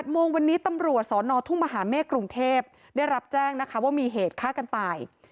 โมงวันนี้ตำรวจสนทุ่งมหาเมฆกรุงเทพได้รับแจ้งนะคะว่ามีเหตุฆ่ากันตาย